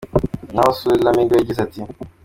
Naho Sue Lamming we yagize ati:.